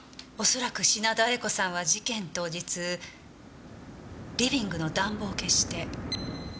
恐らく品田栄子さんは事件当日リビングの暖房を消してガラス戸を開けたんだわ。